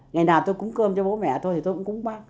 ngày nào tôi cúng cơm cho bố mẹ tôi thì tôi cũng cúng bác